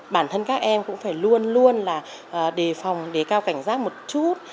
bản thân các em cũng phải luôn luôn là đề phòng đề cao cảnh giác một chút